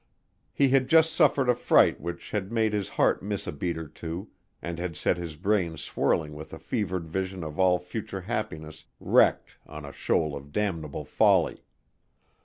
He had just suffered a fright which had made his heart miss a beat or two and had set his brain swirling with a fevered vision of all future happiness wrecked on a shoal of damnable folly.